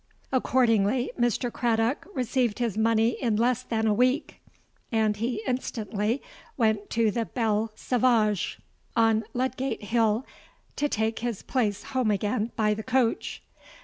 Accordingly, Mr. Craddock received his money in less than a week; and he instantly went to the Belle Sauvage on Ludgate Hill to take his place home again by the coach.